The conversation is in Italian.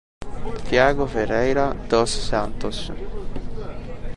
Thiago Ferreira dos Santos